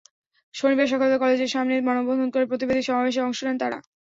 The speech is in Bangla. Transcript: শনিবার সকালে কলেজের সামনে মানববন্ধন করে প্রতিবাদী সমাবেশে অংশ নেন তাঁরা।